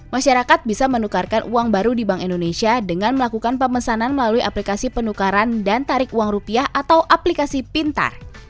masyarakat bisa menukarkan uang baru di bank indonesia dengan melakukan pemesanan melalui aplikasi penukaran dan tarik uang rupiah atau aplikasi pintar